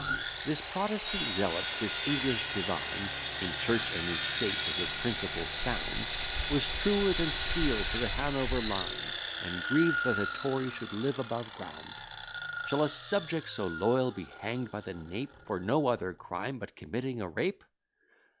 This Protestant zealot, this English divine, In church and in state was of principles sound; Was truer than Steele to the Hanover line, And grieved that a Tory should live above ground. Shall a subject so loyal be hang'd by the nape, For no other crime but committing a rape?